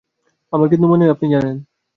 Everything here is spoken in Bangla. আমার কিন্তু মনে হয় আপনি জানেন।